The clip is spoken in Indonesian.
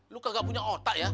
lo kagak punya otak ya